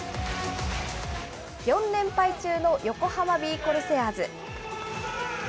４連敗中の横浜ビー・コルセアーズ。